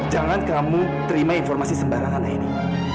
jangan kamu terima informasi sembarangan ini